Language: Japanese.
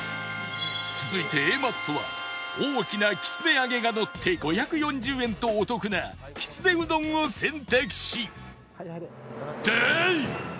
続いて Ａ マッソは大きなきつねあげがのって５４０円とお得なきつねうどんを選択し